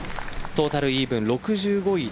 トータルイーブン６５位